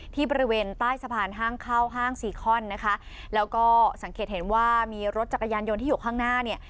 ที่บริเวณใต้สะพานห้างเข้าห้างซีคอนนะคะแล้วก็สังเกตเห็นว่ามีรถจักรยานยนต์ที่อยู่ข้างหน้าเนี่ย